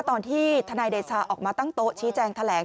ตอนที่ทนายเดชาออกมาตั้งโต๊ะชี้แจงแถลง